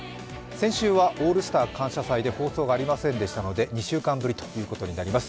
先週は「オールスター感謝祭」で放送がありませんでしたので２週間ぶりということになります。